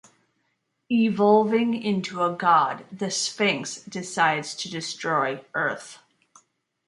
Evolving into a god, the Sphinx decides to destroy Earth.